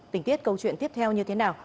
tình tiết câu chuyện tiếp theo như thế nào